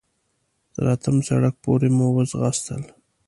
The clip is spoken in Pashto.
تر اتم سړک پورې مو وځغاستل.